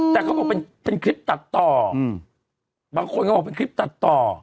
แต่เขาบอกเป็นคลิปตัดต่อบางคนก็บอกเป็นคลิปตัดต่อ